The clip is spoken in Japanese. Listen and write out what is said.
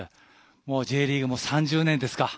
Ｊリーグも３０年ですか。